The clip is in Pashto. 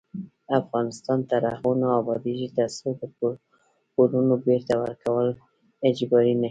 افغانستان تر هغو نه ابادیږي، ترڅو د پورونو بیرته ورکول اجباري نشي.